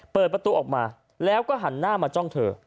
เปิดประตูออกมาแล้วก็หันหน้ามาจ้องเธอ